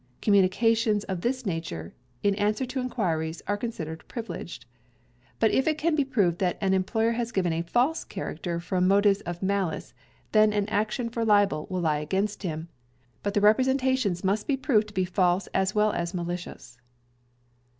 Communications of this nature, in answer to inquiries, are considered privileged. But if it can be proved that an employer has given a false character from motives of malice, then an action for libel will lie against him; but the representations must be proved to be false as well as malicious.